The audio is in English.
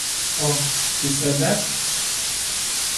Oh, she said that?